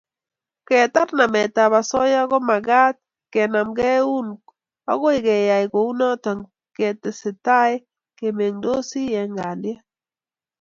Ketar nametab osoya ko magat kenamkei eun ago ngeyai kounoto ketesetai kemengtosi eng kalyet